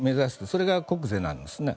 それが国是なんですね。